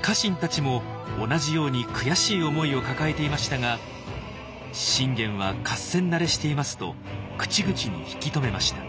家臣たちも同じように悔しい思いを抱えていましたが「信玄は合戦慣れしています」と口々に引き止めました。